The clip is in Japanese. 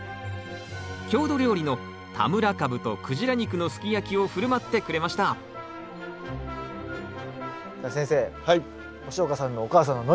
郷土料理の田村かぶとクジラ肉のすき焼きを振る舞ってくれましたじゃあ先生押岡さんのお母さんの徳子さんが。